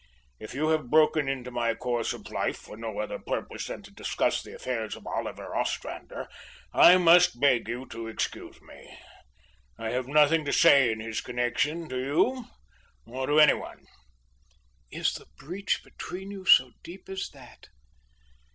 If you have broken into my course of life for no other purpose than to discuss the affairs of Oliver Ostrander, I must beg you to excuse me. I have nothing to say in his connection to you or to any one." "Is the breach between you so deep as that!"